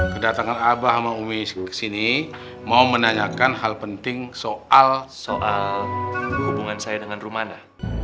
kedatangan abah sama umi kesini mau menanyakan hal penting soal soal hubungan saya dengan rumahnya